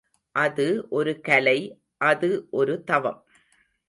அது ஒரு கலை அது ஒரு தவம்.